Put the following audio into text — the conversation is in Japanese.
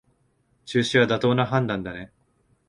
中止は妥当な判断だね